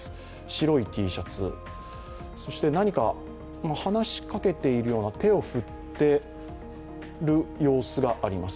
白いＴシャツ、そして何か話しかけているような手を振っている様子があります。